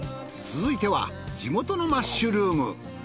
続いては地元のマッシュルーム。